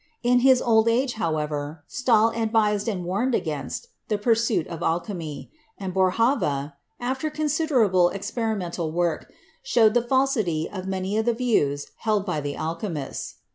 In his old age, however, Stahl advised and warned against the pursuit of alchemy, and Boerhaave, after considerable experimental work, showed the falsity of many of the views held by the alchemists.